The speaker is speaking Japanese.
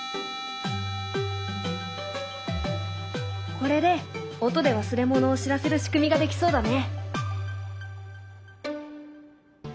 これで音で忘れ物を知らせる仕組みができそうだね。